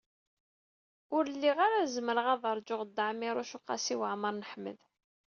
Ur lliɣ ara zemreɣ ad ṛǧuɣ Dda Ɛmiiruc u Qasi Waɛmer n Ḥmed.